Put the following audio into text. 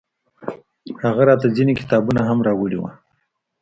هغه راته ځينې کتابونه هم راوړي وو.